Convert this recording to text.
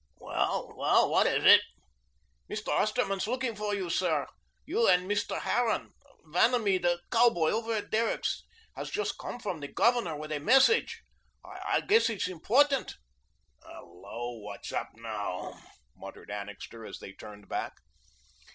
"Well, well, what is it?" "Mr. Osterman's looking for you, sir, you and Mr. Harran. Vanamee, that cow boy over at Derrick's, has just come from the Governor with a message. I guess it's important." "Hello, what's up now?" muttered Annixter, as they turned back.